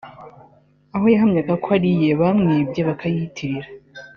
aho yahamyaga ko ari iye bamwibye bakayiyitirira